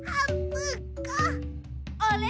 あれ？